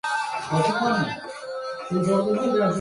The government of the town is led by a mayor and town council.